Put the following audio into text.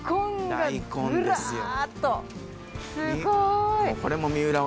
すごーい！